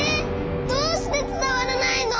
どうしてつたわらないの？